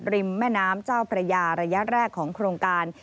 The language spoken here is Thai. แม่น้ำเจ้าพระยาระยะแรกของโครงการ